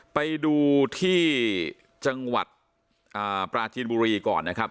ไปดูที่จังหวัดปราจีนบุรีก่อนนะครับ